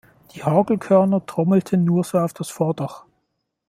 Die Hagelkörner trommelten nur so auf das Vordach.